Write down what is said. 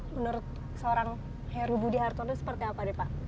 menurut seorang heru budi hartono seperti apa deh pak